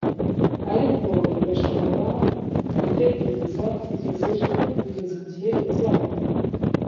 ariko irashobora gutegereza kugeza ejo, kugeza igihe uzagira